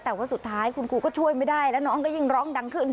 แต่ว่าสุดท้ายคุณครูก็ช่วยไม่ได้แล้วน้องก็ยิ่งร้องดังขึ้น